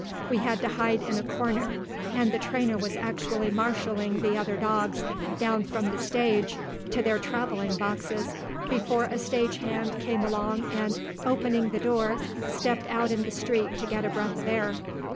We had to hide in a corner, and the trainer was actually marshalling the other dogs down from the stage to their travelling boxes, before a stage hand came along and, opening the door, stepped out in the street to get a breath of air.